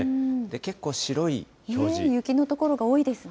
結構、雪の所が多いですね。